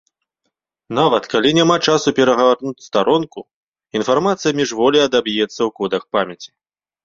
Нават калі няма часу перагарнуць старонку, інфармацыя міжволі адаб'ецца ў кодах памяці.